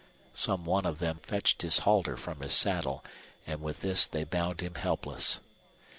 Some one of them fetched his halter from his saddle, and with this they bound him helpless.